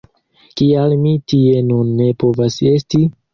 Kial mi tie nun ne povas esti?